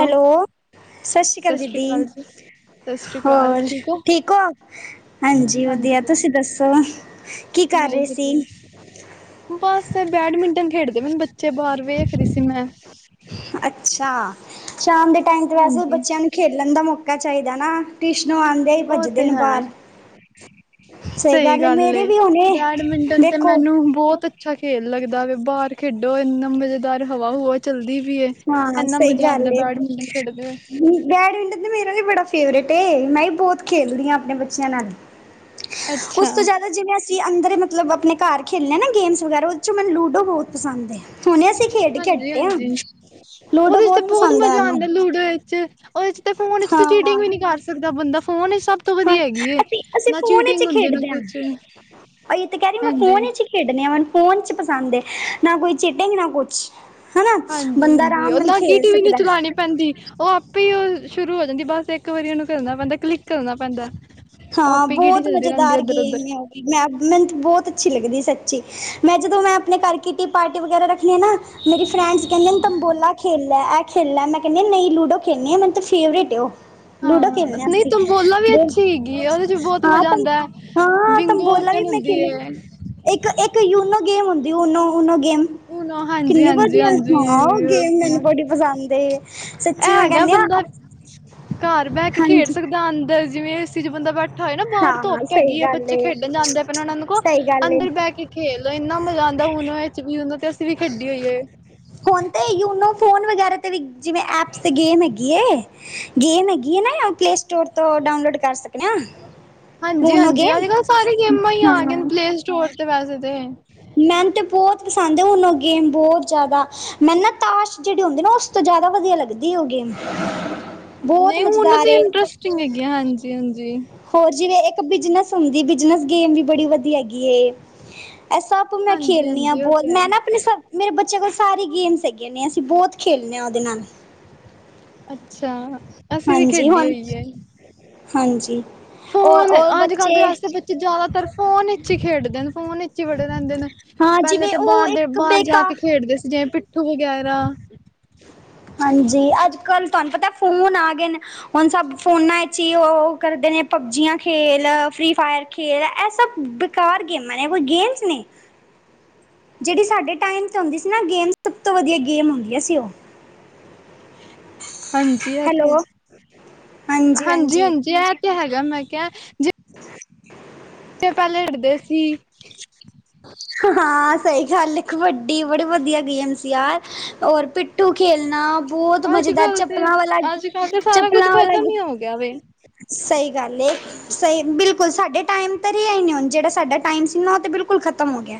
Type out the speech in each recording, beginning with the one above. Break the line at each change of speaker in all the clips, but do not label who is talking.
Hello ਸਸ਼੍ਰੀ
ਸਤਿ
ਕਾਲ
ਸ਼੍ਰੀ
ਦੀਦੀ।
ਅਕਾਲ ਜੀ ਸਤਿ ਸ਼੍ਰੀ ਅਕਾਲ
ਹੋਰ
ਹੋ
ਠੀਕ ਓ? ਹਾਂਜੀ ਵੱਧੀਆਂ ਤੁਸੀਂ ਦੱਸੋ? ਕੀ ਕਾਰ
ਨਹੀਂ
ਰਏ ਸੀ?
ਵਧੀਆ ਬਸ ਫੇਰ ਬੈਡਮਿੰਟਨ ਖੇਡਦੇ ਪਏ ਨੇ ਬੱਚੇ ਬਾਹਰ ਵੇਖ ਰਹੀ ਸੀ ਮੈ।
ਅੱਛਾ ਸ਼ਾਮ ਦੇ ਟਾਈਮ ਤੇ ਵੈਸੇ ਵੀ
ਹਾਂਜੀ
ਬੱਚੇਆਂ ਨੂੰ ਖੇਲਨ ਦਾ ਮੌਕਾ ਚਾਹੀਦਾ ਨਾ ਟਿਊਸ਼ਨੋ ਆਂਦੇ ਈ
ਉਹ
ਭੱਜਦੇ
ਤੇ
ਨੇ
ਹੈ
ਬਾਹਰ। ਸਹੀ ਗੱਲ ਏ ਮੇਰੇ ਵੀ ਹੁਨੇ ਦੇਖੋ
ਬੋਤ ਅੱਛਾ ਖੇਲ ਲੱਗਦਾ ਵੇ ਬਾਹਰ ਖੇਡੋ ਇੰਨਾ ਮਜ਼ੇਦਾਰ ਹਵਾ ਹੁਵਾ ਚੱਲਦੀ ਵੀ ਏ
ਹਾਂ
ਇੰਨਾ
ਸਹੀ
ਮਜ਼ਾ
ਗੱਲ
ਆਂਦਾ
ਏ
ਬੈਡਮਿੰਟਨ ਖੇਡਦੇ ਹੋਏ।
ਬੈਡਮਿੰਟਨ ਤੇ ਮੇਰਾ ਵੀ ਬੜਾ ਫੇਵਰੇਟ ਏ ਮੈਂ ਵੀ ਬੋਤ ਖੇਲਦੀ ਆ ਆਪਣੇ ਬੱਚਿਆਂ ਨਾਲ਼। ਉਸ
ਅੱਛਾ
ਤੋਂ ਜੈਦਾ ਜਿਵੇਂ ਅੱਜ ਚੀ ਅੰਦਰ ਮਤਲਬ ਅਪਨੇ ਘਰ ਖੇਲਨਾ ਨਾ ਗੇਮਸ ਵਗੈਰਾ ਉਹਦੇ ਚੋਂ ਮੈਨੂੰ ਲੂਡੋ ਬੋਤ ਪਸੰਦ ਏ ਹੁਨੇ ਅਸੀਂ ਖੇਡ ਕੇ
ਹਾਂਜੀ
ਹਟੇ ਆ।
ਹਾਂਜੀ
ਲੂਡੋ
ਉਹਦੇ ਚ ਤੇ
ਬਹੁਤ
ਬੋਤ
ਪਸੰਦ ਹੈ
ਮਜ਼ਾ
ਮੈਨੂੰ
ਆਂਦਾ ਲੂਡੋ ਇਚ। ਉਹਦੇ ਚ ਤੇ ਫੋਨ ਇਚ ਤੇ
ਹਾਂ।
ਚੀਟਿੰਗ ਵੀ ਨੀ ਕਰ ਸਕਦਾ ਬੰਦਾ ਫੋਨ ਈ ਸਭ ਤੋਂ
ਹਾਂ
ਵਧੀਆ ਹੈਗੀ ਏ।
ਅਸੀਂ ਅਸੀਂ
ਨਾ
ਫੋਨ ਇਚ
ਚੀਟਿੰਗ ਹੁੰਦੀ ਨਾ
ਖੇਡਦੇ ਹਾਂ
ਕੁਛ
ਅਹੀ ਤੇ ਕਹਿ ਰਹੀ ਮੈਂ
ਹਾਂਜੀ
ਫੋਨ ਇਚ ਖੇਡਨੇ ਆ ਮੈਨ ਫ਼ੋਨ ਚ ਪਸੰਦ ਏ ਨਾ ਕੋਈ ਚੇਟਿੰਗ ਨਾ ਕੁਛ ਹਨਾ
ਹਾਂਜੀ
ਬੰਦਾ
ਹਾਂਜੀ
ਆਰਾਮ
ਉਹ ਨਾਲ
ਖੇਲ
ਗੀਟੀ ਵੀ ਨੀਂ
ਸਕਦਾ।
ਚਲਾਣੀ ਪੈਂਦੀ ਉਹ ਆਪੇ ਈ ਉਹ ਓ ਸ਼ੁਰੂ ਹੋ ਜਾਂਦੀ ਬਸ ਇੱਕ ਵਾਰੀ ਉਹਨੂੰ ਕਰਨਾ ਪੈਂਦਾ ਕਲਿੱਕ ਕਰਨਾ ਪੈਂਦਾ। ਉਹ
ਹਾਂ
ਆਪੇ ਗੀਟੀ
ਬੋਤ
ਚੱਲਦੀ ਰਹਿੰਦੀ
ਮਜ਼ੇਦਾਰ
ਇੱਧਰ
ਗੇਮ
ਉੱਧਰ
ਏ ਓ ਮੈਂ ਮੈਨ ਤੇ ਬੋਤ ਅੱਛੀ ਲੱਗਦੀ ਸੱਚੀ ਮੈਂ ਜਦੋਂ ਮੈਂ ਅਪਨੇ ਘਰ ਕਿਟੀ ਪਾਰਟੀ ਵਗੈਰਾ ਰੱਖਨੀ ਅ ਨਾ। ਮੇਰੀ ਫਰੈਂਡਸ ਕਹਿੰਦੇ ਨੇ ਤਬੌਲਾ ਖੇਲ ਲੈ ਇਹ ਖੇਲ ਲੈ ਮੈਂ ਕਹਿੰਨੀ ਆ ਨਹੀਂ ਲੁਡੋ ਖੇਲਨੀ ਆ ਮੈਂਨ ਤੇ ਫੇਵਰੇਟ ਏ ਉਹ ਲੂਡੋ
ਹਾਂ
ਖੇਲਣੇ ਆ
ਨਹੀਂ
ਅਸੀਂ
ਤੰਬੋਲਾ ਵੀ ਅੱਛੀ ਹੈਗੀ ਉਹਦੇ ਚ ਬੋਤ
ਹਾਂ
ਮਜ਼ਾ
ਤ
ਆਂਦਾ ਬਿੰਗੂ ਕਹਿੰਦੇ ਹੁੰਦ ਵ [inaudible] [unintelligible]
ਇੱਕ-ਇੱਕ ਯੂਨੋ ਗੇਮ ਹੁੰਦੀ ੳਨੋ ਓਨੋ ਗੇਮ
ਉਹ ਹਾਂਜੀ
ਕਿੰਨੀ
ਹਾਂਜੀ
ਵਧੀਆ
ਹਾਂਜੀ
ਹਾਂ ਉਹ ਗੇਮ ਮੈਨ
ਇਹ
ਬੜੀ ਪਸੰਦ ਏ ਸੱਚੀ ਮੈਂ
ਹੈਗਾ
ਕਹਿੰਨੀ ਆ
ਬੰਦਾ ਘਰ ਬਹਿ ਕੇ ਖੇਡ ਸਕਦਾ ਅੰਦਰ ਜਿਵੇਂ ਏ ਸੀ 'ਚ ਬੰਦਾ ਬੈਠਾ ਹੋਏ ਬਾਹਰ
ਹਾਂ
ਧੁੱਪ
ਸਹੀ
ਹੈਗੀ
ਗੱਲ
ਬੱਚੇ
ਏ
ਖੇਡਣ ਜਾਂਦੇ ਪਏ ਨੇ ਉਹਨਾਂ ਨੂੰ ਕੋ
ਸਹੀ ਗੱਲ ਏ
ਅੰਦਰ ਬਹਿ ਕੇ ਖੇਲ ਲਓ ਇੰਨਾ ਮਜ਼ਾ ਆਂਦਾ ਹੁਨ ਇਸ ਉਮਰ ਵਿੱਚ ਅਸੀਂ ਵੀ ਖੇਡੀ ਹੋਈਏ।
ਹੁਨ ਤੇ ਯੂਨੋ ਫੋਨ ਵਗੈਰਾ 'ਤੇ ਵੀ ਜਿਵੇਂ ਐਪਸ 'ਤੇ ਗੇਮ ਹੈਗੀ ਏ। ਗੇਮ ਹੈਗੀ ਏਨਾ ੳਹ ਪਲੇ ਸਟੋਰ ਤੋਂ ਡਾਊਨਲੋਡ ਕਰ ਸਕਦੇ। ਹਨਾ ਮੋਨੋ
ਹਾਂਜੀ-ਹਾਂਜੀ
ਗੇਮ
ਅੱਜ-ਕੱਲ੍ਹ ਸਾਰੀ ਗੇਮਾਂ ਹੀ ਆ ਗਏ ਨੇ
ਹ
ਪਲੇ ਸਟੋਰ ਤੇ ਵੈਸੇ ਤੇ
[unintelligible] [unintelligible] ਮੈਨ ਤੇ ਬੋਤ ਪਸੰਦ ਏ ੳਨੋ ਗੇਮ ਬੋਤ ਜੈਦਾ ਮੈਨ ਨਾ ਤਾਸ਼ ਜਿਹੜੀ ਹੁੰਦੀ ਨਾ ਉਸ ਤੋਂ ਜੈਦਾ ਵਧੀਆ ਲੱਗਦੀ। ਖੇਡੀ ਉਹ ਗੇਮ ਬੋਤ ਮਜਦਾਰ ਏ
ਚੰਗੀ ਹੈਗੀ ਆਂ ਹਾਂਜੀ- ਹਾਂਜੀ।
ਹੋਰ ਜਿਵੇ ਏਕ ਬਿਜ਼ਨਸ ਹੁੰਦੀ ਬਿਜ਼ਨਸ ਗੇਮ ਵੀ ਬੜੀ ਵਧੀ ਹੈਗੀ ਐ ਇਹ ਸਭ ਤੂੰ ਮੈਂ ਖੇਲਨੀ ਆ
ਹਾਂਜੀ-ਹਾਂਜੀ ਉਹ
ਬੋਤ
ਤੇ ਹੈ
ਮੈਂ ਨਾ ਅਪਨੇ ਸਭ ਮੇਰੇ ਬੱਚੇਆਂ ਕੋਲ ਸਾਰੀ ਗੇਮਸ ਹੈਗੀਆ ਨੇ ਅਸੀਂ ਬੋਤ ਖੇਲਨੇ ਆ ਉਹਦੇ ਨਾਲ
ਅੱਛਾ ਅਸੀਂ ਵੀ
ਹਾਂਜੀ
ਖੇਡੀ
ਹੁਣ
ਹੋਈ ਹੈ।
ਹਾਂਜੀ ਉਹ ਉਹ ਬੱਚੇ
ਜੈਦਾਤਰ ਫੋਨ ਇਚ ਈ ਖੇਡਦੇ ਨੇ ਫੋਨ ਇਚ ਈ ਵੜੇ ਰਹਿੰਦੇ ਨੇ
ਹਾਂ
ਪਹਿਲੇ
ਜਿਵੇਂ
ਤੇ
ਉਹ
ਬਾਹਰ ਦੇ
ਇੱਕ
ਬਾਹਰ ਜਾ ਕੇ
ਬੇਕਾਰ
ਖੇਡਦੇ ਸੀ ਜਿਵੇਂ ਪਿੱਠੂ ਵਗੈਰਾ
ਹਾਂਜੀ ਅੱਜ ਕੱਲ ਤੁਹਾਂਨੂੰ ਪਤਾ ਫੋਨ ਆ ਗਏ ਨੇ ਹੁਨ ਸਭ ਫੋਨਾਂ ਇਚ ਹੀ ਉਹ ਕਰਦੇ ਨੇ ਪਬਜੀਆਂ ਖੇਲ ਫ੍ਰੀ ਫਾਇਰ ਖੇਡ ਇਹ ਸਭ ਬੇਕਾਰ ਗੇਮਾਂ ਨੇ ਕੋਈ ਗੇਮਸ ਨੇ ਜਿਹੜੀ ਸਾਡੇ ਟਾਈਮ ਤੇ ਹੁੰਦੀ ਸੀ ਨਾ ਗੇਮ ਸਭ ਤੋਂ ਵਧੀਆ ਗੇਮ ਹੁੰਦੀਆ ਸੀ ਉਹ
ਹਾਂਜੀ, ਇਹ ਤੇ
ਹੈਲੋ
ਹੈ।
ਹਾਂਜੀ ਹਾਂਜੀ
ਹਾਂਜੀ-ਹਾਂਜੀ, ਇਹ ਤੇ ਹੈਗਾ। ਮੈਂ ਕੇਆ ਜੇ ਇਹ ਪਹਿਲੇ [unintelligible] ਸੀ।
[inaudible] ਹਾਂ ਸਹੀ ਗੱਲ ਏ, ਕਬੱਡੀ ਬੜੀ ਵਧੀਆ ਗੇਮ ਸੀ ਯਾਰ। ਹੋਰ ਪ ਪਿੱਠੂ ਖੇਲਣਾ ਬਹੁਤ
ਅੱਜ
ਮਜ਼ੇਦਾਰ,
ਕੱਲ ਤੇ
ਚੱਪਲਾਂ
ਅੱਜ ਕੱਲ ਤੇ ਸਾਰਾ ਕੁੱਝ
ਵਾਲਾ-ਚੱਪਲਾਂ ਵਾਲਾ
ਖਤਮ
ਗੇ
[unintelligible]
ਸਹੀ ਗੱਲ ਏ। ਸਹੀ ਬਿਲਕੁਲ ਸਾਡੇ ਟਾਈਮ ਤਾਂ ਰਿਹਾ ਈ ਨਹੀਂ ਹੁਣ। ਜਿਹੜਾ ਸਾਡਾ ਟਾਈਮ ਸੀ ਨਾ, ਉਹ ਤਾਂ ਬਿਲਕੁਲ ਖਤਮ ਹੋ ਗਿਆ।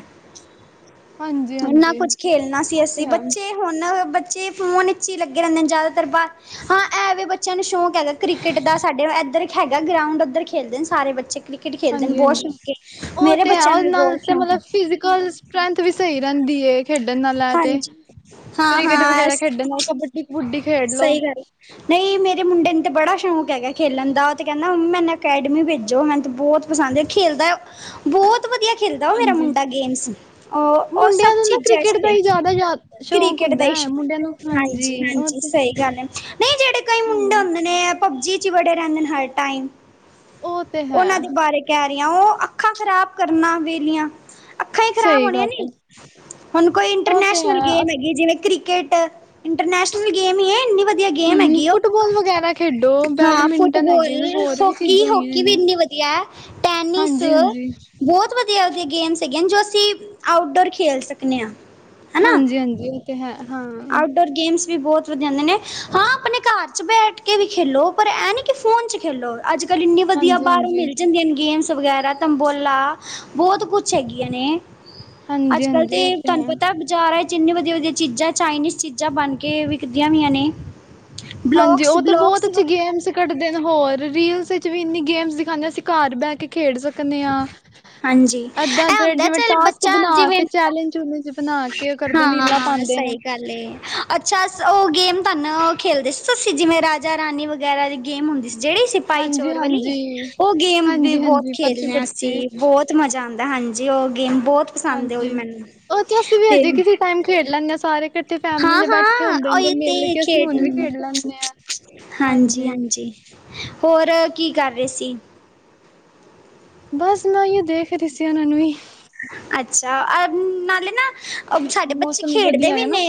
ਹਾਂਜੀ
ਏਨਾ
ਹਾਂਜੀ।
ਕੁਛ ਖੇਲਣਾ ਸੀ
ਉਹ ਤੇ
ਅਸੀਂ,
ਹੈ
ਬੱਚੇ ਹੁਣ ਬੱਚੇ ਫੋਨ ਵਿੱਚ ਈ ਲੱਗੇ ਰਹਿੰਦੇ ਨੇ ਜ਼ਿਆਦਾਤਰ ਬਾਹਰ, ਹਾਂ ਇਹਵੇ ਬੱਚੇ ਬੱਚਿਆਂ ਨੂੰ ਸੌ਼ਕ ਹੈਗਾ ਕ੍ਰਿਕਟ ਦਾ, ਸਾਡੇ ਇੱਧਰ ਹੈਗਾ ਗਰਾਊਂਡ, ਉੱਧਰ ਖੇਡਦੇ ਨੇ ਸਾਰੇ ਬੱਚੇ ਕ੍ਰਿਕਟ ਖੇਡਦੇ ਨੇ
ਹਾਂਜੀ
ਬਹੁਤ
ਹਾਂਜੀ।
ਸ਼ੌਕੀ,
ਉਹ
ਮੇਰੇ
ਤੇ ਹੈ
ਬੱਚਿਆਂ ਨੂੰ ਵੀ
ਉਹਦੇ ਨਾਲ
ਬਹੁਤ
ਤੇ
ਸ਼ੌਕ
ਮਤਲਬ [unintelligible] ਸਟਰੈਂਥ ਵੀ ਸਹੀ ਰਹਿੰਦੀ ਏ। ਖੇਡਣ ਨਾਲ ਐ ਤੇ
ਹਾਂਜੀ ਹਾਂ
ਕ੍ਰਿਕਟ
ਹਾਂ
ਵਗੈਰਾ ਖੇਡਣ ਨਾਲੋ ਤਾਂ ਕਬੱਡੀ-ਕਬੁੱਡੀ ਖੇਡ ਲੋੋ।
[unintelligible] ਨਈ ਮੇਰੇ ਮੁੰਡੇ ਨੂੰ ਤਾਂ ਬੜਾ ਸ਼ੌਂਕ ਹੈਗਾ ਖੇਲਣ ਦਾ, ਉਹ ਤਾਂ ਕਹਿੰਦਾ ਮੰਮੀ ਮੈਨੂੰ ਅਕੈਡਮੀ ਭੇਜੋ। ਮੈਨੂੰ ਤਾਂ ਬਹੁਤ ਪਸੰਦ ਐ। ਖੇਲਦਾ ਓ ਬਹੁਤ ਵਧੀਆ ਖੇਲਦਾ ਉਹ ਮੇਰਾ
ਹਾਂਜੀ।
ਮੁੰਡਾ ਗੇਮਸ, ਉਹ-ਉਹ ਸਭ ਚੀਜ਼ਾਂ ਚ ਤੇ
ਬਾਈ ਜ਼ਿਆਦਾ ਸ਼ੌਕ
ਕ੍ਰਿਕਟ ਦਾ
ਹੁੰਦਾ ਹੈ
ਇਸ਼ੂ
ਮੁੰਡਿਆਂ ਨੂੰ, ਹਾਂਜੀ। ਉਹ ਤੇ ਹੂੰ।
ਹੁਣ ਪਬਜੀ ਚ ਈ ਵੜੇ ਰਹਿੰਦੇ ਨੇ ਹਰ ਟਾਈਮ।
ਉਹ ਤੇ ਹੈ
ਉਹਨਾਂ ਦੇ ਬਾਰੇ ਕੈ ਰੀਆਂ, ਉਹ ਅੱਖਾਂ ਖਰਾਬ ਕਰਨਾ ਵਿਹਲੀਆਂ, ਅੱਖਾਂ ਹੀ ਖ਼ਰਾਬ
ਸਹੀ
ਹੋਣੀਆਂ
ਗੱਲ ਹੈ
ਨੀ। ਹੁਣ ਕੋਈ
ਉਹ ਤੇ
ਇੰਟਰਨੈਸ਼ਨਲ
ਹੈ
ਗੇਮ ਹੈਗੀ ਜਿਵੇਂ ਕ੍ਰਿਕਟ ਇੰਟਰਨੈਸ਼ਨਲ ਗੇਮ ਈ ਐ, ਇੰਨੀ ਵੱ ਵਧੀਆ ਗੇਮ
ਹਮ
ਹੈਗੀ ਐਂ
ਫੁੱਟਬਾਲ ਵਗੈਰਾ ਖੇਡੋ
ਹਾਂ,
ਬੈਡਮਿੰਟਨ ਹੈਗੇ ਨੇ
ਫੁੱਟਬਾਲ,
ਹੋਰ ਵੀ
ਹੋਕੀ।
ਚੀਜ਼ਾਂ ਹੈਗੀਆਂ
ਹੋਕੀ ਵੀ
ਇਹਨੀਆਂ
ਇੰਨੀ ਵਧੀਆ ਵੱ ਯਹ ਟੈਨੀਸ
ਹਾਂਜੀ ਹਾਂਜੀ
ਬਹੁਤ ਵਧੀਆ ਗੇਮਸ ਹੈਗੀਆਂ ਨੇ ਜੋ ਅਸੀਂ ਆਊਟਡੋਰ ਖੇਲ ਸਕਦੇ ਆ।
ਹਾਂਜੀ-ਹਾਂਜੀ। ਉਹ ਤੇ ਹੈ, ਹਾਂ।
ਆਊਟਡੋਰ ਗੇਮਸ ਵੀ ਬਹੁਤ ਵਧੀਆ ਹੁੰਦੀਆ ਨੇ, ਹਾਂ ਆਪਣੇ ਘਰ ਚ ਬੈਠ ਕੇ ਕੇ ਵੀ ਖੇਲੋ ਪਰ ਐ ਨੀ ਕਿ ਫੋਨ ਚ ਖੇਲੋ, ਅੱਜ -ਕਲ ਇੰਨੀ ਵਧੀਆ
ਹਾਂਜੀ
ਬਾਹਰੋਂ
ਹਾਂਜੀ
ਮਿਲ ਜਾਂਦੀਆਂ ਨੇ ਗੇਮਸ ਵਗੈਰਾ। ਤਿਮਬੋਲਾ ਬਹੁਤ ਕੁੱਛ ਹੈਗੀਆਂ ਨੇ।
ਹਾਂਜੀ
ਅੱਜ-ਕਲ
ਹਾਂਜੀ ਉਹ
ਤੇ ਤੁਹਾਨੂੰ
ਹੈ
ਪਤਾ ਬਜ਼ਾਰਾਂ ਚੇ ਇੰਨੇ ਵਧੀਆ-ਵਧੀਆ ਚੀਜ਼ਾਂ, ਚਾਈਨੀਸ ਚੀਜ਼ਾਂ ਬਣ ਕੇ ਵਿਕਦੀਆਂ ਵੀਆਂ ਨੇ।
ਹਾਂਜੀ।
ਬਲੋਕਸ
ਉਹ ਤਾਂ ਬਹੁਤ
ਬਲੋਕਸ
ਅੱਛੀ ਗੇਮਸ ਕੱਢਦੇ ਨੇ, ਹੋਰ ਰੀਲਸ ਵਿਚ ਵੀ ਇੰਨੀ ਗੇਮਸ ਸਿੱਖਾਦੇ, ਅਸੀਂ ਘਰ ਬਹਿ ਖੇਡ ਸਕਦੇ ਆ,
ਹਾਂਜੀ
ਏਦਾਂ
ਇਹ ਹੁੰਦਾ
ਜਿਵੇਂ
ਚੱਲ
ਟਾਸਕ
ਬੱਚਾ
ਬਣਾ
ਜਿਵੇਂ
ਕੇ ਚੈਲੰਜ -ਚੁਲੈਜ ਬਣਾ ਕੇ ਓ ਕਰਦੇ ਨੇ, ਰੀਲਾਂ
ਹਾਂ
ਪਾਂਦੇ
ਸਹੀ
ਨੇ।
ਅੱਛਾ। ਉਹ ਗੇਮ ਤੁਹਾਨੂੰ ਖੇਲਦੇ ਸੀ ਤੁਸੀਂ ਜਿਵੇਂ ਰਾਜਾ-ਰਾਣੀ ਵਗੈਰਾ ਦੀ ਗੇਮ ਹੁੰਦੀ ਸੀ ਜਿਹੜੀ
ਹਾਂਜੀ
ਸਿਪਾਹੀ-ਚੋਰ ਵਾਲੀ,
ਹਾਂਜੀ
ਉਹ ਗੇਮ ਵੀ
ਹਾਂਜੀ
ਬਹੁਤ
ਹਾਂਜੀ ਪਰਚੀ
ਖੇਲੇ ਆ
ਪਰਚੀ
ਅਸੀਂ ਬਹੁਤ ਮਜ਼ਾ ਆਂਦਾ, ਹਾਂਜੀ। ਉਹ ਗੇਮ ਬਹੁਤ ਪਸੰਦ ਹੋਈ
ਹਾਂਜੀ,
ਮੈਨੂੰ
ਉਹ ਤੇ ਅਸੀਂ ਵੀ ਹਜੇ ਕਿਸੇ ਟਾਈਮ ਖੇਡ ਲੈਂਨੇ ਆ ਸਾਰੇ। ਕਿਤੇ ਫੈਮਲੀ
ਹਾਂ
ਨਾਲ ਬੈਠੇ
ਹਾਂ
ਹੁੰਦੇ ਨੇ,
ਉਹੀ
ਮਿਲ ਕੇ ਅਸੀਂ ਹੁਣ ਵੀ ਖੇਡ ਲੈਂਨੇ ਆ।
ਹਾਂਜੀ-ਹਾਂਜੀ। ਹੋਰ ਕੀ ਕਰ ਰਹੇ ਸੀ?
ਬਸ ਮੈਂ ਯੁਹ ਦੇਖ ਰਹੀ ਸੀ ਉਹਨਾਂ ਨੂੰ ਈ
ਅੱਛਾ। [unintelligible] ਨਾਲੇ ਨਾ ਸਾਡੇ ਬੱਚੇ
ਮੌਸਮ
ਖੇਡਦੇ
ਵਧੀਆ
ਵੀ
ਹੈਗਾ
ਨੇ
ਨਾ।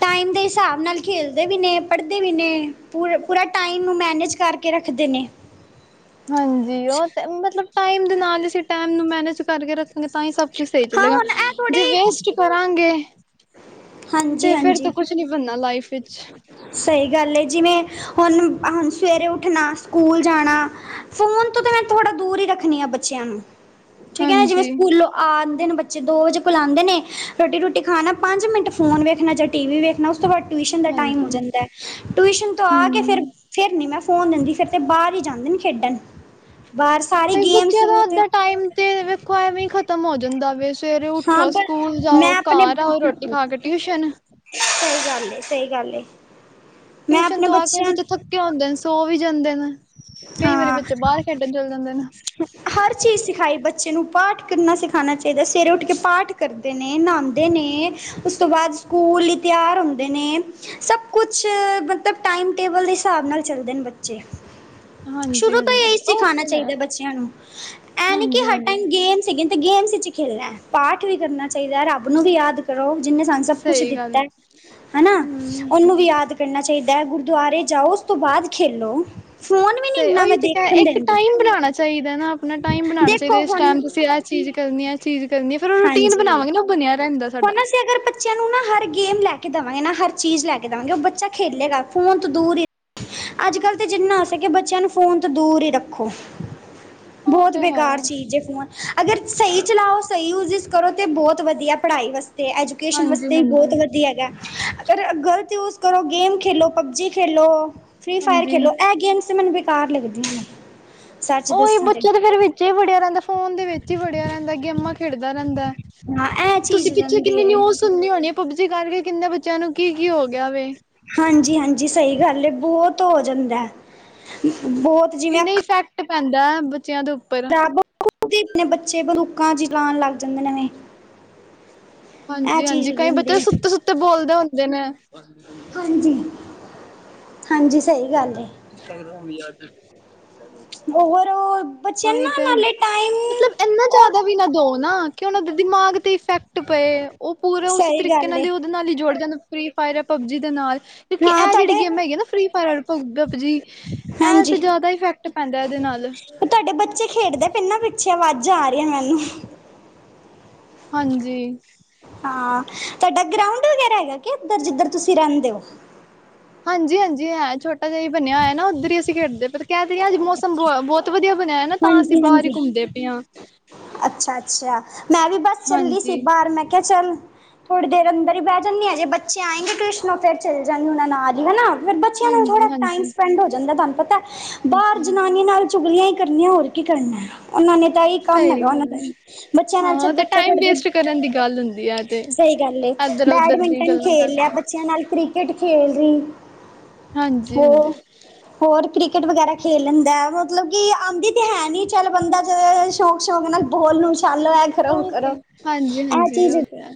ਟਾਈਮ ਦੇ ਹਿਸਾਬ ਨਾਲ ਖੇਲਦੇ ਵੀ ਨੇ, ਪੜ੍ਹਦੇ ਵੀ ਨੇ, ਪੂ-ਪੂਰਾ ਟਾਈਮ ਨੂੰ ਮੈਨੇਜ ਕਰਕੇ ਰੱਖਦੇ ਨੇ।
ਹਾਂਜੀ। ਉਹ ਤੇ ਮਤਲਬ ਟਾਈਮ ਦੇ ਨਾਲ ਈ ਅਸੀਂ ਟਾਈਮ ਨੂੰ ਮੈਨੇਜ ਕਰਕੇ ਰੱਖਾਂਗੇ ਤਾਂ ਹੀ ਸਭ ਸਹੀ
ਹਾਂ
ਚੱਲੇਗਾ,
ਹੁਣ ਇਹ
ਜੇ
ਥੋੜ੍ਹੀ
ਵੇਸਟ ਕਰਾਂਗੇ
ਹਾਂਜੀ
ਤੇ ਫਿਰ ਤੇ
ਹਾਂਜੀ
ਕੁਛ ਨੀ ਬਣਨਾ ਲਾਈਫ ਵਿਚ
ਸਹੀ ਗੱਲ ਏ ਜਿਵੇਂ, ਹੁਣ ਹੁਣ ਸਵੇਰੇ ਉੱਠਣਾ ਸਕੂਲ ਜਾਣਾ। ਫੋਨ ਤੋਂ ਤੇ ਮੈਂ ਥੋੜਾ ਦੂਰ ਹੀ ਰੱਖਣੀ ਆ ਬੱਚਿਆਂ ਨੂੰ ਠੀਕ ਹੈ ਨਾ ਜਿਵੇਂ
ਹਾਂਜੀ।
ਸਕੂਲੋਂ ਆ ਜਾਂਦੇ ਨੇ ਬੱਚੇ ਦੋ ਵਜੇ ਬੁਲਾਂਦੇ ਨੇ ਰੋਟੀ ਰੂਟੀ ਖਾਣਾ ਪੰਜ ਮਿੰਟ ਫੋਨ ਵੇਖਣਾ ਜਾਂ ਟੀ ਵੀ ਵੇਖਣਾ ਉਸ ਤੋਂ ਬਾਅਦ ਟਿਊਸ਼ਨ ਦਾ ਟਾਈਮ ਹੋ
ਹਾਂਜੀ।
ਜਾਂਦਾ ਹੈ ਟਿਊਸ਼ਨ ਤੋਂ ਆ ਕੇ ਫਿਰ
ਹੂੰ।
ਫਿਰ ਨਹੀਂ ਮੈਂ ਫੋਨ ਦਿੰਦੀ ਫਿਰ ਤਾਂ ਬਾਹਰ ਹੀ ਜਾਂਦੇ ਨੇ ਖੇਡਣ ਬਾਹਰ ਸਾਰੀ ਗੇਮਸ
ਬੱਚਿਆਂ ਦਾ
ਤੇ
ਅੱਧਾ ਟਾਈਮ ਤੇ ਵੇਖੋ ਐਵੇਂ ਖ਼ਤਮ ਹੋ ਜਾਂਦਾ ਵ ਸਵੇਰੇ
ਹਾਂ
ਉੱਠੋ
ਪਰ
ਸਕੂਲ ਜਾਓ
ਮੈਂ
ਘਰ ਆਓ ਰੋਟੀ ਖਾ ਕੇ ਟਿਊਸ਼ਨ
ਕੋਈ ਗੱਲ ਨਹੀਂ ਸਹੀ ਗੱਲ ਏ ਮੈਂ ਆਪਣੇ ਬੱਚਿਆਂ ਨੂੰ
ਤੇ ਹੁੰਦੇ ਨੇ ਸੌ ਵੀ ਜਾਂਦੇ ਨ
ਹਾਂ
ਨੇ।
ਹਰ ਚੀਜ਼ ਸਿਖਾਈ ਬੱਚੇ ਬੱਚੇ ਨੂੰ ਪਾਠ ਕਰਨਾ ਸਿਖਾਣਾ ਚਾਹੀਦਾ ਸਵੇਰੇ ਉੱਠ ਕੇ ਪਾਠ ਕਰਦੇ ਨੇ ਨਹਾਂਦੇ ਨੇ ਉਸ ਤੋਂ ਬਾਅਦ ਸਕੂਲ ਲਈ ਤਿਆਰ ਹੁੰਦੇ ਨੇ ਸਭ ਕੁਛ ਮਤਲਬ ਟਾਈਮ ਟੇਬਲ ਦੇ ਹਿਸਾਬ ਨਾਲ ਚੱਲਦੇ ਨੇ ਬੱਚੇ ਸ਼ੁਰੂ ਤੋਂ ਇਹੀ
ਹਾਂਜੀ-ਹਾਂਜੀ ਉਹ
ਸਿਖਾਉਣਾ
ਤੇ ਹੈ।
ਚਾਹੀਦਾ ਬੱਚਿਆਂ ਨੂੰ ਇਹ ਨੀ ਕਿ ਹਰ
ਹਾਂਜੀ-ਹਾਂਜੀ।
ਟਾਈਮ ਗੇਮ ਤੇ ਗੇਮਸ ਵਿੱਚ ਖੇਲਣਾ ਪਾਠ ਵੀ ਕਰਨਾ ਚਾਹੀਦਾ ਹੈ ਰੱਬ ਨੂੰ ਵੀ ਯਾਦ ਕਰੋ ਜਿਹਨੇ ਸਾਨੂੰ ਸਭ ਕੁਛ
ਸਹੀ ਗੱਲ
ਦਿੱਤਾ
ਏ।
ਹਨਾ
ਹੂੰ।
ਉਹਨੂੰ ਵੀ ਯਾਦ ਕਰਨਾ ਚਾਹੀਦਾ ਹੈ ਗੁਰਦੁਆਰੇ ਜਾਓ ਉਸ ਤੋਂ ਬਾਅਦ ਖੇਲੋ ਫੋਨ ਵੀ ਨੀ
ਸਹੀ
ਇੰਨਾ
ਉਹੀ
ਮੈਂ
ਤੇ
ਦੇਖਣ
ਇੱਕ
ਦਿੰਦੀ
ਟਾਈਮ ਬਣਾਉਣਾ ਚਾਹੀਦਾ ਨਾ ਆਪਣਾ ਟਾਈਮ ਬਣਾਉਣਾ ਚਾਹੀਦਾ
ਦੇਖੋ
ਇਸ
ਹੁਣ
ਟਾਈਮ ਤੁਸੀਂ ਚੀਜ਼ ਕਰਨੀ ਆ ਚੀਜ਼ ਕਰਨੀ ਆ ਫਿਰ ਉਹ ਰੂਟੀਨ
ਹਾਂਜੀ।
ਬਣਾਵਾਂਗੇ ਨਾ ਉਹ ਬਣਿਆ ਰਹਿੰਦਾ ਸਾਡਾ।
ਅਗਰ ਬੱਚਿਆਂ ਨੂੰ ਨਾ ਹਰ ਗੇਮ ਲੈ ਕੇ ਦੇਵਾਂਗੇ ਨਾ ਹਰ ਚੀਜ਼ ਲੈ ਕੇ ਦੇਵਾਂਗੇ ਉਹ ਬੱਚਾ ਖੇਲੇਗਾ ਫੋਨ ਤੋਂ ਦੂਰ ਹੀ ਅੱਜ -ਕੱਲ੍ਹ ਤਾਂ ਜਿੰਨਾ ਹੋ ਸਕੇ ਕਿ ਬੱਚਿਆਂ ਨੂੰ ਫੋਨ ਤੋਂ ਦੂਰ ਹੀ ਰੱਖੋ।
ਉਹ
ਬਹੁਤ
ਤੇ
ਬੇਕਾਰ
ਹੈ।
ਚੀਜ਼ ਏ ਫੋਨ ਅਗਰ ਸਹੀ ਚਲਾਓ ਸਹੀ ਯੂਜ਼ਸ ਕਰੋ ਤੇ ਬਹੁਤ ਵਧੀਆ ਪੜ੍ਹਾਈ ਵਾਸਤੇ ਐਜੂਕੇਸ਼ਨ
ਹਾਂਜੀ
ਵਾਸਤੇ ਵੀ
ਹਾਂਜੀ
ਬਹੁਤ ਵਧੀਆ ਹੈਗਾ। ਅਗਰ ਗ਼ਲਤ ਯੂਸ ਕਰੋ ਗੇਮ ਖੇਲੋ, ਪਬਜੀ ਖੇਲੋ ਫਰੀ ਫਾਇਰ
ਹਾਂਜੀ
ਖੇਲੋ। ਐ ਗੇਮਸ ਤੇ ਮੈਨੂੰ ਬੇਕਾਰ ਲੱਗਦੀਆਂ ਨੇ। ਸੱਚ
ਉਹੀ
ਦੱਸਾਂ ਤੇ [inaudible]
ਬੱਚਾ ਫੇਰ ਵਿੱਚ ਹੀ ਵੜਿਆ ਰਹਿੰਦਾ ਫੋਨ ਦੇ ਵਿੱਚ ਹੀ ਵੜਿਆ ਰਹਿੰਦਾ ਗੇਮਾਂ ਖੇਡਦਾ ਰਹਿੰਦਾ
ਹਾਂ ਐਂ
ਤੁਸੀਂ ਪਿੱਛੇ ਕਿੰਨੀ ਨਿਊਜ਼ ਸੁਣੀ ਹੋਣੀ ਏ ਪਬਜੀ ਕਰਕੇ ਕਿੰਨੇ ਬੱਚਿਆਂ ਨੂੰ ਕੀ-ਕੀ ਹੋ ਗਿਆ ਵੇ।
ਹਾਂਜੀ, ਹਾਂਜੀ ਸਹੀ ਗੱਲ ਏ ਬੋਤ ਹੋ ਜਾਂਦੇ ਏ ਬਹੁਤ ਜਿਵੇਂ
ਇੰਨੇ ਹੀ ਇਫੈਕਟ ਪੈਂਦਾ ਬੱਚਿਆਂ ਦੇ ਉੱਪ
ਤਾਂ [unintelligible] ਬੱਚੇ ਬੰਦੂਕਾਂ ਚਲਾਨ ਲੱਗ ਜਾਂਦੇ ਨੇ।
ਹਾਂਜੀ, ਹਾਂਜੀ ਕਈ ਬੱਚੇ ਸੁੱਤੇ-ਸੁੱਤੇ ਬੋਲਦੇ ਹੁੰਦੇ ਨੇ।
ਹਾਂਜੀ ਹਾਂਜੀ, ਸਈ ਗੱਲ ਏ।
ਇੰਸਟਾਗ੍ਰਾਮ ਦੀ ਆਦਤ
ਹੋਰ ਉਹ
[inaudible]
ਬੱਚਿਆਂ ਨੂੰ
ਉਹੀ
ਨਾ
ਤੇ
ਨਾਲੇ ਟਾਈਮ
ਮਤਲਬ ਇਨਾ
ਉਹ
ਜ਼ਿਆਦਾ ਵੀ ਨਾ ਦੋ ਨਾ ਕਿ ਉਹਨਾਂ ਦੇ ਦਿਮਾਗ ਤੇ ਇਫੈਕਟ ਪਏ ਉਹ ਪੂਰਾ ਉਸ
ਸਹੀ
ਤਰੀਕੇ
ਗੱਲ
ਨਾਲ
ਹੈ
ਈ ਓ ਨਾਲ ਹੀ ਜੋੜ ਜਏ ਨਾ ਫਰ੍ਹੀ ਫਾਇਰ ਪਬਜੀ ਦੇ ਨਾਲ ਕਿਉਂਕਿ
ਹਾਂ
ਇਹ
ਤੁਹਾਡੇ
ਜੇੜੀ ਗੇਮਾ ਹੈਗੀਆ ਨਾ ਫ੍ਰਰੀ ਫਾਇਰ ਪਬਜੀ ਐਂ
ਹਾਂਜੀ
ਤੇ ਜਿਆਦਾ ਇਫੈਕਟ ਪੈਂਦਾ ਏਦੇ ਨਾਲ।
ਤੁਹਾਡੇ ਬੱਚੇ ਖੇਡਦੇ ਨੇ ਨਾ ਪਿੱਛੇ ਅਵਾਜਾ ਆ ਰਹੀ ਆ ਮੈਨੂੰ।
ਹਾਂਜੀ।
ਹਾਂ, ਤੁਹਾਡਾ ਗਰਾਉਂਡ ਵਗੈਰਾ ਹੈਗਾ ਕਿ ਇਧਰ ਜਿੱਧਰ ਤੁਸੀਂ ਰੈਂਦੇ ਓ?
ਹਾਂਜੀ, ਹਾਂਜੀ ਹੈਂ ਛੋਟਾ ਜਿਹਾ ਈ ਬਣਿਆ ਹੋਇਆ ਏ ਨਾ ਉੱਧਰ ਹੀ ਅਸੀਂ ਖੇਡਦੇ ਪਰ ਕਹਿ ਤੇ ਰਏ ਹਾਂ ਅਜ ਮੌਸਮ ਬ ਬਹੁਤ ਵਧੀਆ ਬਣਿਆ ਹੋਇਆ ਏ ਨਾ ਤਾਂ ਅਸੀਂ ਬਾਰ ਈ ਘੁੰਮਦੇ ਪਏ ਆਂ।
ਅੱਛਿਆ, ਅੱਛਿਆ ਮੈਂ ਵੀ ਬਸ ਚੱਲੀ ਸੀ।
ਹਾਂਜੀ
ਬਾਹਰ ਮੈਂ ਕਿਆ ਚੱਲ ਥੋੜ੍ਹੀ ਦੇਰ ਅੰਦਰ ਈ ਬਹਿ ਜਾਂਨੇ ਆਂ, ਜੇ ਬੱਚੇ ਆਏਂਗੇ ਟਿਊਸ਼ਨੋ, ਫੇਰ ਚਲੇ‌ ਜਾਂਗੇ ਓਨਾ ਨਾਲ ਈ ਹੈਨਾ। ਫੇਰ ਬੱਚਿਆਂ ਨੂੰ ਥੋੜਾ
ਹਾਂਜੀ
ਟਾਈਮ
ਹਾਂਜੀ
ਸਪੈਂਡ ਹੋ ਜਾਂਦਾ। ਤੁਹਾਨੂੰ ਪਤਾ ਬਾਹਰ
ਹਾਂਜੀ
ਜਨਾਨੀ ਨਾਲ ਚੁਗਲੀਆਂ ਈ ਕਰਨੀਆਂ, ਹੋਰ ਕੀ ਕਰਨਾ ਉਹਨਾਂ ਨੇ ਤਾਂ ਇਹ ਕੰਮ
ਸਹੀ
ਹੈਗਾ ਉਹਨਾਂ
ਗੱਲ
ਨੂੰ
ਹੈ
ਬੱਚਿਆਂ ਨਾਲ ਚੱਲ
ਹਾਂ ਤੇ
ਬੱਚਾ
ਟਾਈਮ
ਪੜਦੇ
ਵੇਸਟ ਕਰਨ ਦੀ ਗੱਲ ਹੁੰਦੀ ਏ।
ਸਹੀ ਗੱਲ ਏ, ਬੈਡਮਿੰਟਨ ਖੇਲ ਲਿਆ,
ਕਰਦੇ
ਬੱਚਿਆਂ ਨਾਲ ਕ੍ਰਿਕੇਟ ਖੇਲ ਰਹੀ
ਹਾਂਜੀ,
ਹੋ
ਹਾਂਜੀ।
ਹੋਰ ਕ੍ਰਿਕੇਟ ਵਗੈਰਾ ਖੇਲ ਲੈਂਦਾ। ਮਤਲਬ ਕਿ ਆਂਦੀ ਤੇ ਹੈ ਨੀ ਚੱਲ ਬੰਦਾ ਜੇ ਸ਼ੌਕ-ਸ਼ੌਕ ਨਾਲ ਬੋਲ ਨੂੰ ਉਛਾਲੋ, ਐਂ ਕਰੋ, ਐਂ
ਉਹ
ਕਰੋ,
ਤੇ ਹਾਂਜੀ
ਔ
ਹਾਂਜੀ
ਚੀਜ਼
ਉਹ ਤੇ ਹੈ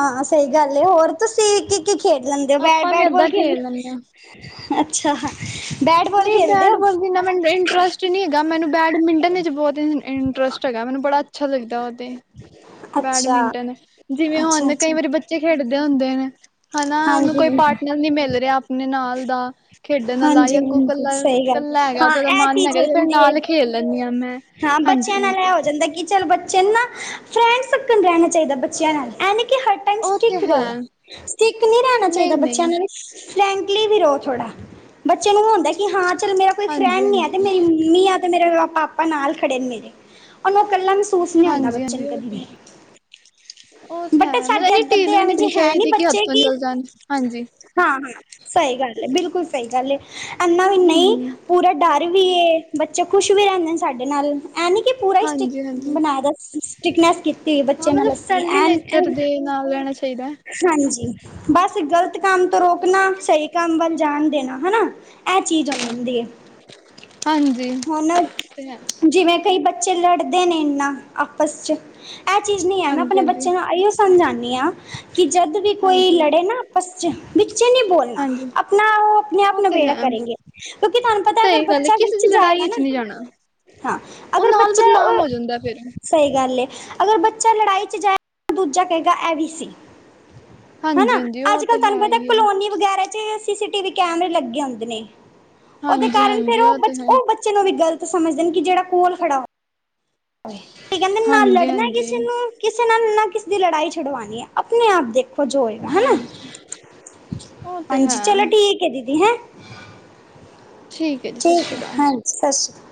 ਹਾਂ, ਸਹੀ ਗੱਲ ਏ। ਹੋਰ ਤੁਸੀਂ ਕੀ-ਕੀ ਖੇਡ ਲੈਂਦੇ ਓ? ਬੈਟ,
ਆਪਾਂ
ਬੈਟਬਾਲ ਖੇਡ [inaudible]
ਨਈਂ ਬੈਟਬਾਲ ਇੰਨਾ ਮੈਨੂੰ ਇੰਟਰਸਟ ਨੀ ਹੈਗਾ, ਮੈਨੂੰ ਬੈਡਮਿੰਟਨ ਵਿੱਚ ਬਹੁਤ ਇੰਟਰਸਟ ਹੈਗਾ, ਮੈਨੂੰ ਬੜਾ ਅੱਛਾ ਲੱਗਦਾ ਉਹ ਤੇ,
ਅੱਛਾ
ਬੈਡਮਿੰਟਨ। ਜਿਵੇਂ
ਅੱਛਾ
ਹੁਣ ਕਈ
ਅੱਛਾ
ਵਾਰੀ, ਬੱਚੇ ਖੇਡਦੇ ਹੁੰਦੇ ਨੇ। ਹੈਨਾਂ, ਉਨੂੰ
ਹਾਂਜੀ
ਕੋਈ
ਹਾਂਜੀ
ਪਾਰਟਨਰ ਨੀ ਮਿਲ ਰਿਹਾ ਆਪਣੇ ਨਾਲ ਦਾ, ਖੇਡਣ
ਹਾਂਜੀ
ਲਾਯਕ
ਹਾਂਜੀ
ਕੱਲਾ,
ਸਹੀ ਗੱਲ
ਕੱਲਾ ਹੈਗਾ, ਉਹ
ਹਾਂ
ਤੇ ਉਦਾ
ਇਹ
ਮਨ
ਚੀਜ਼
ਹੈਗਾ।
ਹੋ
ਤੇ ਫੇਰ
ਜਾਂਦੀ ਹੈ
ਨਾਲ ਖੇਲ ਲੈਂਨੀ ਆ ਮੈਂ।
ਹਾਂ, ਬੱਚਿਆਂ
ਹਾਂਜੀ
ਨਾਲ ਏ
ਹਾਂਜੀ
ਹੋ ਜਾਂਦਾ ਕਿ ਚਲੋ, ਬੱਚੇ ਨੂੰ ਨਾ ਫਰੈਂਡ ਸਰਕਲ ਰੈਣਾ ਚਾਹੀਦਾ, ਬੱਚਿਆਂ ਨਾਲ ਏਂ ਨਹੀਂ ਕਿ ਟਾਈਮ
ਓ ਤੇ
ਸਟਿਕ
ਹੈ।
ਰਹੋ ਸਟਿਕ ਨੀ ਰੈਣਾ ਚਾਹੀਦਾ,
ਨਹੀਂ ਨਹੀਂ
ਬੱਚਿਆਂ ਨੂੰ ਫਰੈਂਕਲੀ ਵੀ ਰਹੋ ਥੋੜਾ, ਬੱਚੇ ਨੂੰ ਹੁੰਦਾ ਕਿ ਹਾਂ ਚੱਲ ਮੇਰਾ ਕੋਈ
ਹਾਂਜੀ
ਫਰੈਂਡ ਨੀ ਏ। ਤੇ
ਹਾਂਜੀ
ਮੇਰੀ ਮੰਮੀ ਆ ਤੇ ਮੇਰੇ ਪਾਪਾ ਨਾਲ ਖੜੇ ਨੇ ਮੇਰੇ, ਉਨੂੰ ਕੱਲਾ ਮਹਿਸੂਸ ਨੀ ਹੁੰਦਾ।
ਹਾਂਜੀ
ਬੱਚੇ
ਹਾਂਜੀ
ਨੂੰ
ਉਹ
ਕਦੇ ਵੀ।
ਤੇ ਉਹ ਤੇ
ਬਟ
ਹੈ, ਮਤਲਬ
ਸਾਡੇ
ਇੰਨੀ
ਇੱਧਰ ਦੇ
ਢੀਲ ਵੀ ਨੀ
ਐਵੇਂ ਜੇ
ਦੇਣੀ
ਹੈ
ਚਾਈਦੀ। ਕਿ ਹੱਥੋਂ ਨਿਕਲ ਜਾਣ ਹਾਂਜੀ।
ਹਾਂ, ਹਾਂ ਸਹੀ ਗੱਲ ਏ, ਬਿਲਕੁਲ ਸਹੀ ਗੱਲ ਏ, ਇਨਾ ਵੀ ਨਈ
ਹਮ
ਪੂਰਾ ਡਰ ਵੀ ਏ, ਬੱਚੇ ਖੁਸ਼ ਵੀ ਰਹਿੰਦੇ ਨੇ ਸਾਡੇ ਨਾਲ, ਐਂ ਨੀ ਕਿ ਪੂਰਾ ਹੀ ਸਟਿਕ
ਹਾਂਜੀ ਹਾਂਜੀ
ਬਣਾ ਦੋ, ਸਟਿਕਨੈਸ ਕੀਤੀ ਹੋਈ ਐ।
ਹਾਂ
ਬੱਚਿਆ ਨਾਲ
ਮਤਲਬ
ਅਸੀ।
ਫਰੈਂਡਲੀ ਨੇਚਰ ਦੇ ਨਾਲ ਲੈਣਾ ਚਾਹੀਦਾ।
ਹਾਂਜੀ, ਬੱਸ ਗ਼ਲਤ ਕੰਮ ਤੋਂ ਰੋਕਣਾ, ਸਹੀ ਕੰਮ ਵੱਲ ਜਾਣ ਦੇਣਾ ਹੈਨਾ, ਇਹ ਚੀਜ਼ ਆ ਜਾਂਦੀ ਐ।
ਹਾਂਜੀ
ਹੁਣ
ਤੇ ਹੈ
[unintelligible] ਜਿਵੇਂ ਕਈ ਬੱਚੇ ਲੜਦੇ ਨੇ ਇੰਨਾ ਆਪਸ 'ਚ, ਇਹ ਚੀਜ਼ ਨਹੀਂ ਔਨਾ
ਹਾਂਜੀ ਹਾਂਜੀ
ਅਇਓ ਸਮਝਾਣੀ ਆ, ਕਿ ਜਦ ਵੀ ਕੋਈ
ਹਾਂਜੀ
ਲੜੇ ਨਾ ਆਪਸ ਚ ਵਿੱਚ ਨਹੀ ਬੋਲ ਨਾ
ਹਾਂਜੀ
ਆਪਣਾ ਉਹ ਆਪਣੇ ਆਪ
ਤੇ
ਨਬੇੜਾ
ਹੈ
ਕਰੇਗੇ, ਕਿਉਂਕਿ ਤੁਹਾਨੂੰ ਪਤਾ ਅਗਰ ਬੱਚਾ ਵਿੱਚ ਜਾਏਗਾ ਨਾ
ਵਿਚ ਨੀ ਜਾਣਾ
ਹਾਂ,
ਉਹ
ਅਗਰ
ਨਾਲ
ਬੱਚਾ
ਬਦਨਾਮ
ਉਹ
ਹੋ ਜਾਂਦਾ ਫਿਰ
ਸਹੀ ਗੱਲ ਐ, ਅਗਰ ਬੱਚਾ ਲੜਾਈ 'ਚ ਜਾਏਗਾ, ਤਾਂ ਦੂਜਾ ਕਹੇਗਾ। ਐ ਵੀ ਸੀ। ਹੈਨਾ,
ਹਾਂਜੀ ਹਾਂਜੀ ਉਹ
ਅੱਜ
ਤੇ
ਕੱਲ੍ਹ ਤੁਹਾਨੂੰ
ਹੈ
ਪਤਾ
ਹੀ ਹੈ
ਕਲੋਨੀ ਵਗੈਰਾ ਚ ਸੀ-ਸੀ-ਟੀ-ਵੀ ਕੈਮਰੇ ਲੱਗੇ ਹੁੰਦੇ ਨੇ ਉਹਦੇ
ਹਾਂਜੀ
ਕਾਰਨ ਫਿਰ
ਹਾਂਜੀ
ਉਹ,
ਤੇ ਹੈ
ਉਹ ਬੱਚੇ ਨੂੰ ਵੀ ਗ਼ਲਤ ਸਮਝਦੇ‌ ਨੇ, ਕਿ ਜਿਹੜਾ ਕੋਲ ਖੜਾ ਕੀ ਕਹਿੰਦੇ ਨਾਲ
ਹਾਂਜੀ
ਲੜਨਾ
ਹਾਂਜੀ
ਕਿਸੇ ਨੂੰ ਕਿਸੇ ਨਾਲ ਨਾ ਕਿਸੇ ਦੀ ਲੜਾਈ ਛੁਡਵਾਣੀ ਐ, ਆਪਣੇ ਆਪ ਦੇਖੋ ਤ ਜੋ ਹੋਏਗਾ ਹੈਨਾ।
ਹਾਂਜੀ ਉਹ ਤੇ
ਹਾਂਜੀ,
ਹੈ
ਚਲੋ ਠੀਕ ਐ ਦੀਦੀ ਹੈਂ।
[inaudible] ਜੀ ਸਤਿ
ਠੀਕ
ਸ਼੍ਰੀ
ਹੈ,
ਅਕਾਲ
ਹਾਂਜੀ ਸਤਿ ਸ਼੍ਰੀ ਅਕਾ